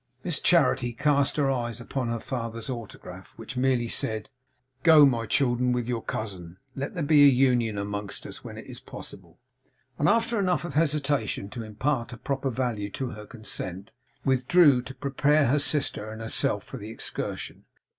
Miss Charity cast her eyes upon her father's autograph, which merely said 'Go, my children, with your cousin. Let there be union among us when it is possible;' and after enough of hesitation to impart a proper value to her consent, withdrew to prepare her sister and herself for the excursion.